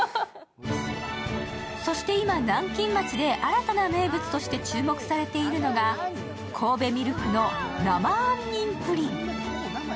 そして今、南京町で新たな名物として注目されているのが神戸ＭＩＬＫの生杏仁プリン。